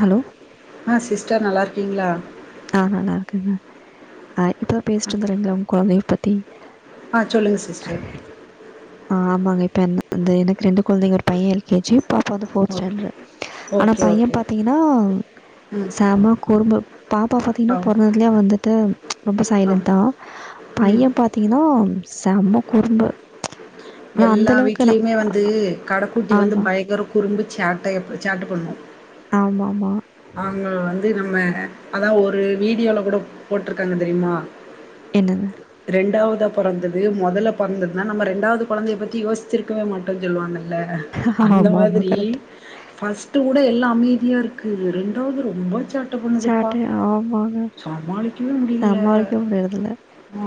Hello ஆ sister நல்லா இருக்கீங்களா ஆ நல்லா இருக்குங்க ஆ இப்பதா பேசிட்டு இருந்துறீங்கள உங்க கொழந்தைய பத்தி ஆ சொல்லுங்க சிஸ்டர் ஆ ஆமாங்க இப்ப எனக்கு ரெண்டு கொழந்தைங்க ஒரு பைய எல்கேஜி பாப்பா வந்து போஃர்த் ஓகே ஸ்டாண்டர்டு ஆனா ஓகே பைய ஓகே பாத்தீங்கன்னா ம் செமா குறும்பு பாப்பா பாத்தீங்கனா ஆ பொறந்ததுலயே வந்துட்டு ரொம்ப ஆ சைலண்டா ம் பைய பாத்தீங்கனா செம குறும்பு ஆனா அந்த எல்லா அளவுக்கு நம் வீட்லயுமே வந்து கட குட்டி வந்து ஆமா. பயங்கரக் குறும்பு சாட்டை எப் சாட்ட பண்ணு ஆமாமா அவங்க வந்து நம்ம அதா ஒரு வீடியோல கூட போட்ருக்காங்க தெரியுமா என்னது ரெண்டாவதா பொறந்தது மொதல்ல பொறந்ததுன்னா நம்ம ரெண்டாவ்து கொழந்தைய பத்தி யோச்சிருக்கவே மாட்டோன் சொல்லுவாங்கல்ல அந்த ஆமாமா மாதிரி கரெக்ட். ஃபஸ்ட்டு கூட எல்லா அமைதியா இருக்கு ரெண்டாவது ரொம்ப சே சேட்டையா ஆமாங்க சமாளிக்கவே முடியல. சமாளிக்க முடியறதுல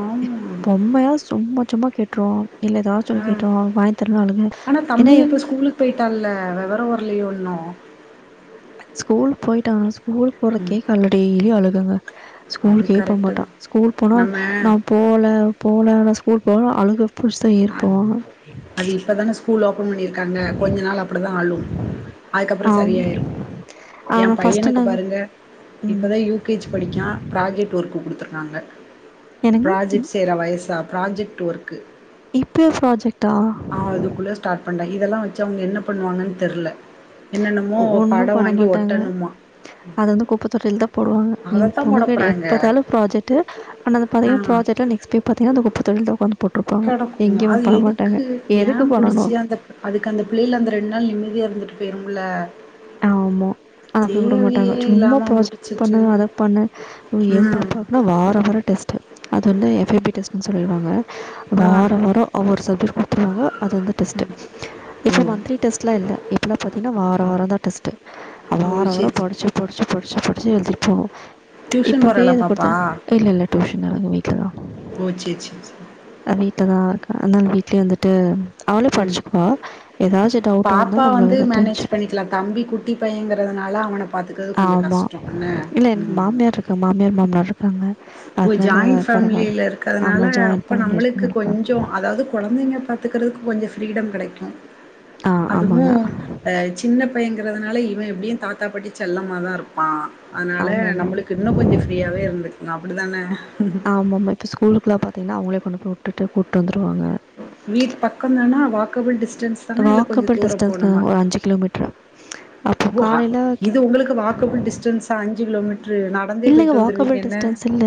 ஆமா. பொம்மையா சும்மா சும்மா கேட்டு ட்ரு இல்ல ஏதாச்சு ஒனு கேட்ரு வாங்கி தர்லனா ஆழுது என்னெ பொய்ட்டால்ல வெவரொ வர்லயோ இன்னொ ஸ்கூல் போயிட்டா ஆனா ஸ்கூல் போறக்கே கால்ல டெய்லி அழுகங்க அது ஸ்கூல்க்கே போக கரெக்ட்டு மாட்டா தான். ஸ்கூல் போனா நம்ம நா போல போல நா ஸ்கூல் போல அழுகு அது இப்பதான ஸ்கூல் ஓப்பன் பண்ணிரு க்காங்க கொஞ்ச நாள் அப்டி தா அழு அதுக்கப்பறொ ஆம் சரியாயிரு எ அவன ஃபஸ்ட்டு பையனுக்கு நாங்க பாருங்க ம் இப்பதா யூ கே ஜி படிக்கா ப்ராஜெக்ட் ஒர்க் குடுத்துருக்காங்க என்னங்க ப்ராஜெக்ட்ஸ் செய்ற வயசா ப்ராஜெக்ட் ஒர்க்கு இப்பயே ப்ராஜெக்ட்டா அ அதுக்குள்ளே ஸ்டார்ட் பண்ட்டாங் இதெல்லா வச்சு அவுங்க என்ன பண்ணுவாங்கன் தெர்ல என்னென்னமோ படொ வாங்கி ஒட்டணுமா அத வந்து குப்ப தொட்டில தா போடுவாங்க எ அதத்தா போட [unintelligible] போறாங்க எப்பாதாலு ப்ராஜெக்ட்டு ஆனா அத ஆ பாத்திங்கன்னா ப்ராஜெக்ட்ல நெக்ஸ் போய் பாத்திங்கன்னா அந்த குப்ப தொட்டில் தா [unintelligible] போட்ருப்பாங்க கெடக்கு எங்கேயு வந் அது பண்ணமாட்டாங்க எதுக்கு ஏ எதுக்கு பண்ணனு புடிச்சு அந்த அதுக்கு அந்த பிள்ளைல அந்த ரெண்டு நாள் நிம்மதியா இருந்துட்டு போயிரும்ல ஆமா அனா அப்டி விட மாட்டாங்க தேவையே சும்மா இல்லாம ப்ராஜெக்ட் முடிச்சுட்டு பண்ணு அத பண்ணு எ ம் பாப்பாக்னா வரொ வரொ டெஸ்ட்டு அது வந்து எஃப் எஃப் பி டெஸ்டுன் சொல்லிருவாங்க ஆ வாரொ வாரொ அவுங்க ஒரு சப்ஜெக்ட் குடுத்துருவாங்க அது வந்த டெஸ்ட்டு ஓ இப்ப மந்த்லி டெஸ்ட்லா இல்ல இப்பெல்லா பாத்திங்கனா வார வாரந் தா டெஸ்ட்டு அ ஓ வாரொ வரொ சேரி சேரி படுச்சு படுச்சு படுச்சு படுச்சு எழுதிட் போனு டியூஷன் இப்பவே போறாளா எத பாப்பா கொடுத்தே இல்ல இல்ல டியூஷன் [unintelligible] அங்க வீட்லதா ஓ சேர் சேர் சேர் அ வீடலதா [unintelligible] வந்துட்டு அவளே ம் படுச்சுக்குவா ஏதாச்சு பாப்பா வந்து மேனேஜ் பண்ணிக்கலா தம்பி குட் குட்டி பையங்கிறதுனால அவன பாத்துக்குறது கொஞ்சொ கஷ்டொ என்ன ங்க மாமியார் மாமனார் இருக்காங்க ஓ அதனால ஜாயின் பரவால்ல ஃபேமிலில ஆமா இருக்கதுனால ஜாயிண்ட் அப்போ ஃபேமிலி நம்மளுக்கு இருக்கனால ப்ராப்ளம் கொஞ்சொ அதாவது கொழந்தைங்ள பா பாத்துக்கிறதுக்கு கொஞ்சொ ஃப்ரீடம் கெடைக்கு ஆ அதுவு ஆமாங்க சின்ன பையங்கிறதுனால இவெ எப்டியு தாத்தாப்பாட்டி செல்லமா தா இருப்பா அத்னால ஆமாமா நம்மளுக்கு இன்னொ கொஞ்சொ ஃப்ரீயாவே இருந்துக்லா அப்புடிதான ஆமா ஆமா இப்போ ஸ்கூலுக்குலா பாத்திங்ன்னா அவுங்களே கொண்டு போய் விட்டுட்டு கூட்டு வந்துருவாங்க வீட் பக்கந் தானா வாக்கபிள் டிஸ்டன்ஸ் தானா இல்ல கொஞ்சொ வாக்கபிள் தூரொ டிஸ்டன்ஸ்ல போனுமா ஒரு அஞ்சு கிலோமீட்டர் அப்போ காலையில இது உங்களுக்கு வாக்கபிள் டிஸ்டன்ஸா அஞ்சு கிலோமீட்ரு நடந்தே இல்லங்க போயிட்டு வந்துருவீங்க வாக்கபிள் என்ன டிஸ்டன்ஸ் இல்ல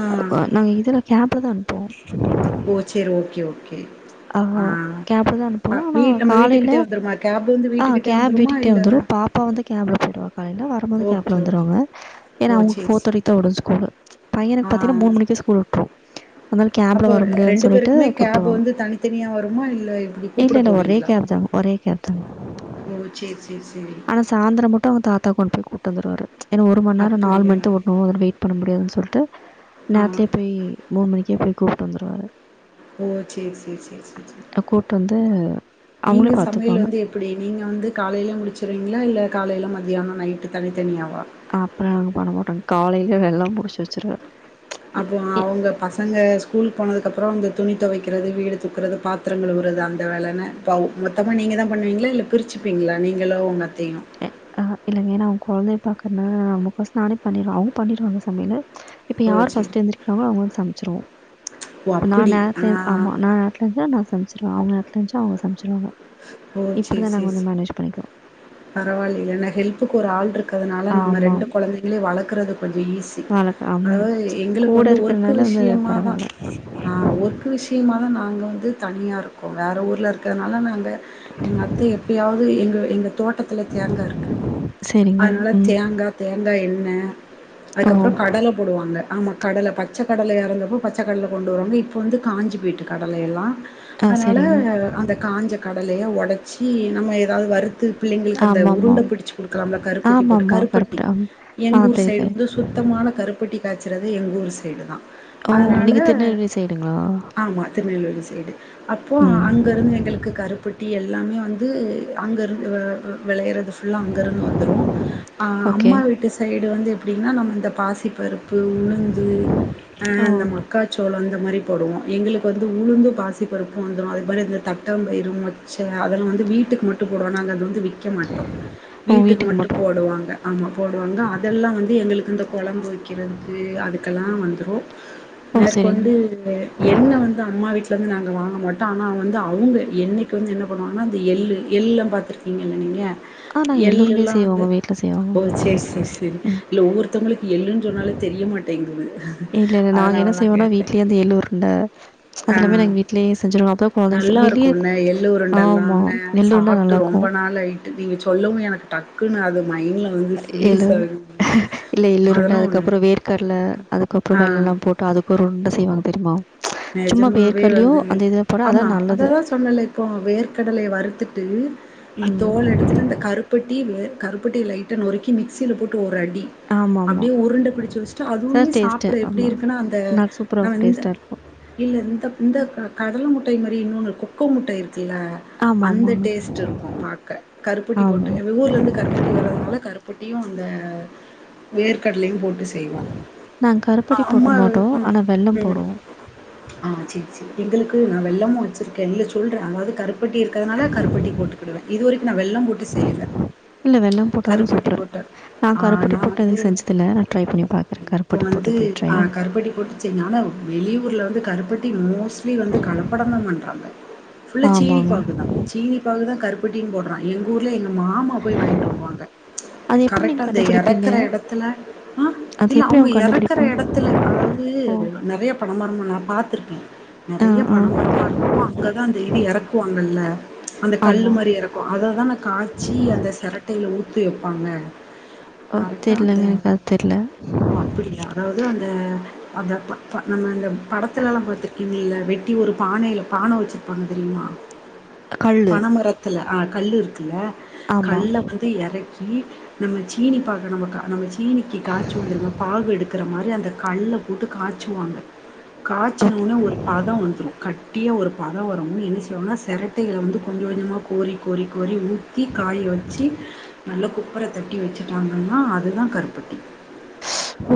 ஆ நாங்க இதுல கேப்ல தா அனுப் போ ஓ! சரி. Okay, okay. ஆ கேப்ல தா அ அனுப்புவோ ஆனா வீட் நம்ம காலைல வீட்டுக்கிட்டே வந்துருமா? கேப் வந்து ஆ வீட்டுக்கிட்டே கேப் வந்துருமா? வீட்டுக்கிட்டே இல்ல வந்துரு பாப்பா வந்து கேப்ல போயிடுவா காலைல வரும்போது ஓகே, கேப்ல ஓகே. வந்துருவாங்க ஏன்னா ஓ! அவுங்களுக்கு சரி, சரி. போர்தேட்டிக்குதா விடு ஸ்கூலு பையனுக்கு ஆ. பாத்திங்னா மூனு மணிக்கே ஸ்கூல் விட்ரு அதனால கேப்ல அப்போ வர முடியாதுனு சொல்லிட்டு பேருக்குமே குறிப்போ கேப் வந்து தனித்தனியா வருமா? இல்ல இப்டி இல்ல கூப்பிட இல்ல ஒரே போவீங்களா? கேப் தாங்க ஒரே கேப்தாங்க ஓ சேரி சேரி சேரி சாய்ந்திர மட்டு அவங்க தாத்தா கொண்டு போய் கூட்டு வந்துருவாரு ஏனா ஒரு மணி நேரோ நாலு அப்படியா? மணிக்குதா விடுவாங்க வெயிட் பண்ண முடியாது சொல்லி ட்டு ஆ. நேரத்லே போய் மூணு மணிக்கே போய் கூப்ட்டு வந்துருவாரு ஓ செரி செரி செரி செரி செரி கூப்பிட்டு வந்து அவங்களே நீங்க சமையல் பாத்துப்பாங்க வந்து எப்டி நீங்க வந்து காலையில முடிச்சிடுவீங்ளா இல்ல காலையில மதியானோ நைட்டு தனித்தனியாவா அப்டிலா நாங்க பண்ணமாட்டோங்க காலையில எல்லா முடிச்சு வச்சிருவே அப்றோ அவங்க பசங்க ஸ்கூல் போனதுக்கப்றோ அந்த துணி துவைக்கிறது வீடு தூக்குறது பாத்தரோ பாத்தரோ கழுவுறது அந்த வேலனு இப்போ மொத்தமா நீங்க தா பண்ணுவீங்ளா இல்ல பிரிச்சுப்பீங்ளா நீங்களு உங்க அத்தையு அ இல்லங்க ஏனா அவங்க குழந்தைய பாக்குறதுனால அவங்களுக் ஒசறோ நானே பண்ணிருவ அவங்களு பண்ணிடுவாங்க சமையலு இப்ப ஓ! யார் சரி. ஃபஸ்ட் எழுத்திருப்பாங்ளோ அவங்க வந்து சமச்சிருவோ ஓ! இப்ப நா அப்படி. ஆ. நேரத்ல ஆமா நா நேரத்ல எழுத்திருச்சா நா சமைச்சிருவே அவங்க நேரத்ல எழுதிருச்சா அவங்க சமச்சிருவாங்க ஓ! இப்டிதா நாங்க வந்து மேனேஜ் பண்ணிக்கிவோ பரவாயில்ல ஏனா ஹெல்புக்கு ஒரு ஆள் இருக்கறதுனால நம்ம ஆமா. ரெண்டு குழந்தைகளையு வளக்கறது கொஞ்ச ஈஸி வழக்கம். ஆமாங்க. அதாவது எங்களுக்கு கூட வந்து ஒர்க்கு இருக்கிறனால வந்து விஷயமாதா பரவால்ல. அ ஒர்க்கு விஷயமா நாங்க வந்து தனியா இருக்கோ வேற ஊருல இருக்கறதுனால நாங்க எங்க அத்தை எப்யாவது எங்க எங்க பக்கதுல தேங்கா இருக்கு சரிங்க. அதனால ம். தேங்கா தேங்கா எண்ணெ ஓ! அதுக்கப்றோ கடல போடுவாங்க ஆமா கடல பச்ச கடல இருந்தப்ப பச்சக்கடல கொண்டு வருவாங்க இப்போ வந்து காஞ்சு போய்ட்ருக்கு கடலயெல்லா ஆ அதனால சரிங்க. அந்த காஞ்ச கடலைய உடைச்சி நம்ம ஏதாவது வறுத்து பிள்ளைங்களுக்கு அந்த ஆமாமா. உருண்ட புடிச்சு கொடுக்கலா கருப்பட்டி போட்டு ஆமாமா. கருப்பட்டி கருப்பட்ட ஆமா. ஆ எங்கூர் தெரியும், சைடு தெரியும். வந்து சுட் சுத்தமான கருப்பட்டி காய்ச்சறது எங்க ஊரு சைடு தா ஓ! அதனால நீங்க திருநெல்வேலி சைடுங்களா? ஆமா திருநெல்வேலி சைடு அப்போ ம். அங்க இருந்து எங்களுக்கு கருப் பட்டி எல்லாமே வந்து அங்கயிருந்து வெளையறது ஃபுல்லா அங்கயிருந்து வந்துரு ஆ ஓகே. அம்மா வீட்டு சைடு வந்து எப்டினா நம்ம இந்த பாசி பருப்பு உளுந்து ஆ ஓ! அந்த மக்கா சோளம் அந்த மாதிரி போடுவோ எங்களுக்கு வந்து உளுந்து பாசி பருப்பு வந்துடு அதுக்கப்றோ அந்த தட்டா பயிறு மொச்ச அதெல்லா வந்து வீட்டுக்கு மட்டு போடுவோ நாங்க அத வந்து விக்க மாட்டோ ஓ வீட்டுக்கு மட்டு மட்டும். போடுவாங்க ஆமா போடுவாங்க அதெல்லா வந்து எங்களுக் இந்த குழம்பு வக்கறதுக்கு அதுக்கெல்லா வந்துரு ஓ சரிங்க. மேற்கொண்டு எண்ணெ வந்து அம்மா வீட்டிலருந்து நாங்க வாங்க மாட்டோ ஆனா வந்து அவங்க எண்ணெய்க்கு வந்து என்ன பணுவாங்னா அந்த எள்ளு எள்ளா பாத்துருக்கீங்கல்ல நீங்க ஆ நாங்க எள்ள எள்ளு உருண்டையே எல்லா வந்து செய்வோங்க. வீட்ல செய்வோங்க. ஓ செரி செரி செரி ம். இல்ல ஒவ்வொருத்தவங்களுக்கு எள்ளுனு சொன்னாலே தெரியமாட்டேங்குது இல்ல நாங்க என்ன செய்வோனா வீட்லே வந்து எள்ளு உருண்ட அது ஆ எல்லாமே நா எங் வீட்லே செஞ்சிருவ அப்ப குழந்தைங்க நல்லா வெளிய இருக்குண்ணே எள்ளு ஆமா உருண்டல்லாண்ணே எள்ளுருண்டை நல்லா சாப்ட்டு இருக்கு ரொம்ப நாள் ஆயிட்டு நீங்க சொல்லவு எனக் டக்குனு அது மைண்ட்ல வந்து எள் ஃப்ரீஸ் ஆகுது இல்ல எள்ளுருண்டு அதெல்லா ஒண்ணு அதுக்கப்றோ வேர்க்கடல அதுக்கப்றோ ஆ வெள்ளல்லா போட்டு அதுக் ஒரு உண்ட செய்வாங்க தெரியுமா சும்மா நெஜமாவே வேர்க்கடலையும் வந்துங்க அந்த இதில போட ஆமா அதான் நல்லது. அதாதா சொன்னேன்ல இப்போ வேர்க்கடலைய வறுத்துட்டு அந் ம். தோல எடுத்துட்டு அந்த கருப்பட்டி வே கருப்பட்டி லைட்டா நொறுக்கிட்டு மிக்ஸில போட்டு ஒரு அடி ஆமாமா. அப்டியே உருண்டபிடிச்சு வச்சுட்டு அது அதுவுமே டேஸ்ட்டு. சாப்பட எப்டி ஆமா. இருக்குனா அந்த நான் சூப்பரா நா இருக்கும். இந்த டேஸ்ட்டா இருக்கும். இல்ல இந்த இந்த கடல முட்டாய் மாரி இன்னொன்னு இருக்கு கொக்கு முட்டாய் இருக்குல்ல அந்த ஆமாமாங்க. டேஸ்ட் இருக்கு பாக்க கருப்பட்டி ஆமா. போட்டு எங்க ஊர்ல இருந்து கருப்பட் டி வர்றதுனால கருப்பட்டியு அந்த வேர்கடலையும் போட்டு செ செய்வோ நாங்க கருப்பட்டி போட மாட்டோம். ஆனா வெல்லம் போடுவோம். ஆ சேரி சேரி எங்களுக்கு நா வெள்ளமு வேச்சிருக்கே இல்ல சொல்ற அதாது கருப் கருப்பட்டி இருக்கறதுனால கருப்பட்டி போட்டுக்கிடுவே இது வரைக்கு நா வெள்ளோ போட்டு செய்யல இல்ல வெள்ளம் போட்டாலு கருப்பட்டி சூப்பரா போட்டு. இருக்கு நா ஆ கருப்பட்டி நான் போட்டு வந்து எதயு செஞ்சது இல்ல நா ட்ரை பண்ணி பாக்குறே கருப் இப்போ வந்து ஆ கருப்பட்டி போட்டுச் செய் நானு வெளியூர்ல வந்து கருப்பட்டி மோஸ்ட் வெளிய வந்து கலப்படம் தா பண்றாங்க ஃபுல்லா சீனி ஆமாங்க. பாகு தா சீனி பாகு தா கருப்பட்டிலியு போட்றாங் எங்க ஊரில எங்க மாமா போயி வாங்கிட்டு வருவாங்க அது எப்படி கரெக்டா நீங்க அந்த கண்டுபிடிப்பீங்க? எறக்குற எடத்துல ஆ அது இல்ல எப்படி அவுங்க அவன் எறக்குற கண்டுபிடிப்பான்? எடத்துல அதாது ஓ! நறைய பனைமரமா நா பாத்திருக்கே ஆ நெறைய ஆ பணமரமா இருக்கு அங்கதா அந்த இது எறக்குவாங்கல்ல அந்த கல்லு ஆமா மாரி எறக் அத தானே காய்ச்சி அந்த செரட்டையில ஊத்தி வைப்பாங்க அ கரெக்டா அந்த தெர்லங்க எனக்கு அது தெர்ல ஓ அப்டியா அதாது அந்த அந்த ப ப நம்ம அந்த படத் பத்துல எல்லா பாத்திருக்கீங்களால வெட்டி ஒரு பானையில பான வெச்சிருப்பாங்க தெரியுமா கல்லு பனமரத்துல ஆ கல்லு இருக்குல்ல ஆமா கல்ல வந்து எறக்கி நம்ம சீனி பாக நம்ம க நம்ம சீனிக்கு காய்ச்சிவோ தெரிமா பாகு எடுக்குற மாரி அந்த கள்ள போட்டு காய்ச்சுவாங்க காய்ச்சின ஓகே ஓன்னே ஒரு பாதோ வந்துரு கட்டியா ஒரு பாதோ வரு மூடி என்ன சொய்வாங்னா செரட் ட்டையில வந்து கொஞ்ச கொஞ்சமா கோரி கோரி கோரி ஊத் ஊத்தி காய வெச்சி நல்லா குப்பர தட்டி வெச்சிட்டாங்கன்னா அது தா கருப்பட்டி ஓ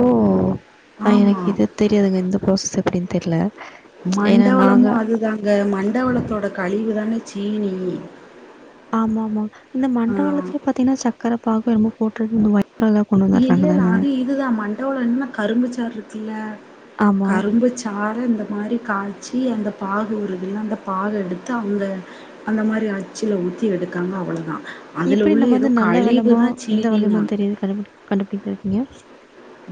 ஆனா எனக் ஆமா. இது தெரியாதுங்க இந்த ப்ராசஸ் எப்டின்னு தெர்ல ஏன்னா நாங்க மண்டவெல்லமு அதுதாங்க மண்டவெல்லத்தோட கழிவு தாங்க சீனி ஆமா ஆமா இந்த ஆ மண்டவெல்வத்துல பாத்தீங்கன்னா சர்கக்கர பாகோ ஏன்னமோ போட்டிருந்த ஒயிட் கலர்ல கொண்டு வந்துடுறாங்க இல்லல்ல தான அது இதுதா மண்டவெல்லோ இன்னோ கரும்பு சாரு இருக்குல்ல ஆமா கரும்பு சறு இந்த மாரி காய்ச்சி அந்த பாகு வருதுல்ல அந்த பாகு எடுத்து அங்க அந்த மாரி அச்சில ஊத்தி எடுக்காங்க அவ்ளதா எப்புடி நம்ம வந்து நல்ல வெல்லமா இந்த வெல்லமா சீனிங்காம். தெரியு கண்டு கண்டுபிடிக்கறதுங்க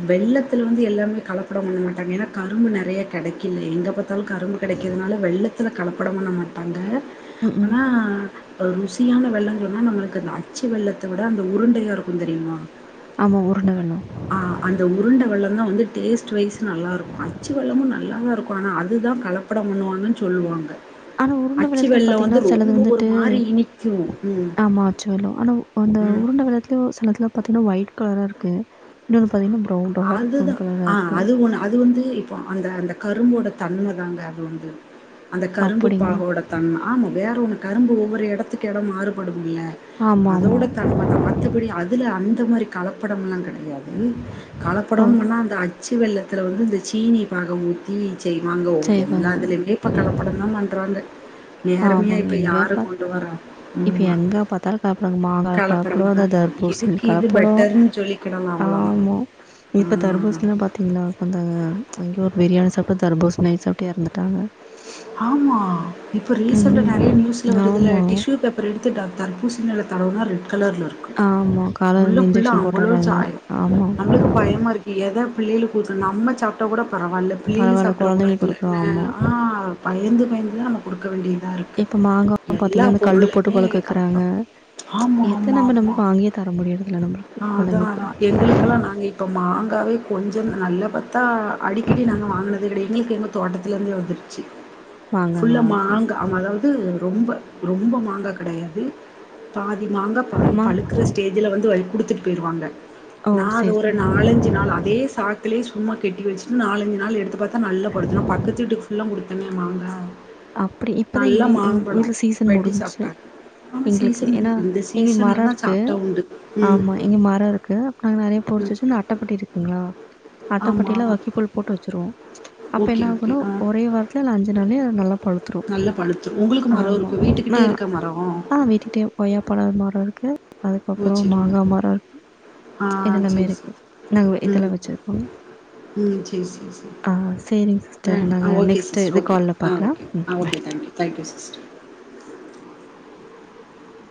வெள்ளத்துல வந்து எல்லாமே கலப்படம் பண்ண மாட்டாங்க ஏன்னா கரும்பு நேறைய கெடைக்கலை எங்கே பாத்தாலு கரும்பு கெடைக்கிறதுனால வெள்ளத்துல கலப்படோ பண்ண மாட்டாங்க ம் ம் ஆனா ருசியான வெல்லோ சொன்னா நம்மளுக்கு அந்த அச்சு வெல்லத்த விட அந்த உருண்டையா இருக்கு தெரியுமா ஆமா உருண்ட வெல்லோ ஆ அந்த உருண்ட வெல்லோ தா வந்து டேஸ்ட் வைஸ் நல்லா இருக்கு அச்சி வெல்லமு நல்லா தா இருக்கு ஆனா அது தா கலப் கலப்படம் பண்ணுவாங்கன்னு சொல்லுவாங்க ஆனா உருண்ட அச்சு வெல்லத்துலயே வெல்லம் பாத்தீங்கன்னா வந்து சிலது ரொம்ப ஒரு வந்துட்டு மாரி இனிக்கும். ம். ஆமா ஆச்சி வெல்லோ ஆனா அந்த ம். உருண்ட வெல்லத்துலயே சிலதெல்லா பாத்தீங்கன்னா ஒயிட் கலரா இருக்கு இன்னென்னு பாத்தீங்கன்னி பிரவுன் அதுதா ஆ அது ஒன்னு அது வந்து ப்போ அந்த அந்த கரும்போட தன்ம தாங்க அது வந்து அந்த கரும்பு அப்படிங்களா? பாகோட தன்ம ஆமா வேற ஒன்னு கரும்பு ஒவ்வொரு எடத்துக்கு எடோ மாறுபடும்ல ஆமா, ஆமா. அதோட தன்மதா மத் மத்தபடி அதுல அந்த மாரி கலப்படம்லா கெடையாது ஓ! கலப்படம் பண்ணா அந்த அச்சி வெல்வத்துல வந்து இந்த சீனி பாக ஊத்தி சொய் வாங்க செய்வாங்க. எல்லாத்துலையுமே அப்ப கலப்படம் தா பண்ணுறாங்க ஆமாங்க எங்க பா இப்ப ஆமா எங்க பாத்தாலும் காப்பறாங்க கலப்படமா மாங்காய தான் [unintelligible] தர்ப்பூசில இதுக்கு இது கலப்படம் பெட்டர்னு சொல்லிக்கிடலாம் அவ்வளவுதான் ஆமா இப்ப ஆ. தர்பூசனி ப பாத்தீங்களா உக்காந்தாங்க அங்கேய ஒரு பிரியாணி சாப்ட்டு தர்பூஸ் நைட் சாப்ட்டு எறந்துட்டாங்க ஆமா இப்போ ரீசெண்டா நெறைய நியூஸ்லா வருதுல்ல ஆமா. டிஷ்யூ பேப்பர் அப்ற எடுத்துடா தர்ப்பூச நெலை தடம்னா ரெட் கலர்ல்ல இருக்கும் ஆமா. காலருந்து உள்ளுகுள்ள இன்ஜெக்ஷன் அவ்ளோ போட்டுர்றாங்க. சாயம் ஆமா. நம்மளுக்கு பயமா இருக்கு எதை பிள்ளைகள் கூத்து நம்ம சாப்ட்டா கூட பரவால்ல பிள்ளை பரவால்ல. சாப்ட குழந்தைங்களுக்கு கூடாதுல்ல குடுக்குறோம். ஆமா. ஆ பயந்து பயந்து தான் நம்ம கொடுக்க வேண்டியதா இருக்கும் இப்ப மாங்கா பாத்தீங்கன்னா அந்த கல்லு போட்டு பழுக்க வக்கிறாங்க கலப்படம். ஆமா, எத்த ஆமா, நம்ம ஆமா. நம்மளுக்கு வாங்கியே தர முடியறதுல நம்மளுக்கு கொழந்தைகளுக்கு இப்போ மாங்காவே கொஞ்சம் நல்லா பாத்தா அடிக்கடி நாங்கள் வாங்னது கெடையா எங்களுக்கு எங்கள் தோட்டத்துலேருந்தே வந்துடுச்சு ஃபுல்லா மாங்காங்களா? சரி, மாங்கா சரி. மரம் ம் ரொம்ப ரொம்ப மாங்கா கெடையாது பாதி மாங்கா பாதி மா பழுக்கிற ஸ்டேஜ் இதுல வந்து கொடுத்துட்டு போயிருவாங்க ஓ! நான் அது சரி, ஒரு சரி. நாலஞ்சு நாள் அதே லே சும்மா கிண்டிவச்சட்டு நாலஞ்சு நாள் எடுத்துபாத்தா நல்லா பழுத்துரும் பக்கத்து [unintelligible] ஃபுல்லா என்ன மாங்கா அப்டி இப்பதான் எங்கீ நல்லா வீ மாம்பழோ உங்க சீசன் வெட்டி முடிஞ்சச்சு சாப்ட்டாங்க. ஆமா எங்ளுக்கு சீசன் ஏன்னா இந்த எங்க சீசன்ல மரம் தா இருக்கு சாப்ட்டா உண்டு. ம் ஆமா எங்க மரம் இருக்கு நாங்க நெறைய பொரிச்சு வச்சுருந்த அட்டப்பெட்டி இருக்குங்களா ஆமா. அட்டப்பெட்டில வக்க கோல் போட்டு வச்சுருவோம் அப்ப என்ன ஓகே, ஓகே. ஆகுனா ஆ. ஒரே வார [unintelligible] அஞ்சு நாள்ளயே நல்லா பழுத்துரும். நல்லா பழுத்துரும் உங்களுக்கு மரம் ஆமா. இருக்கும் ஆ வீட்டுக்கிட்டே இருக்க மரம் ஆ வெட்டிட்டோம் கொய்யா பழம் மரம் இருக்கு ஓ! அதுக்கப்புறம் சரி, ஓகே. மாங்காய் மரம் இருக்கு ஆ இதெல்லாமே சரி, சரி. இருக்கு நாங்க ம். இதெல்லாம் வச்சிருக்கோங்க ம். சரி, சரி, சரி. ஆ செரிங்க சிஸ்டர் அ நாங்க ஓகே நெக்ஸ்ட் சிஸ்டர். இது ஓகே. கால்ல ஆ ஓகே. பாக்கலா ஆ okay thank you thank you sister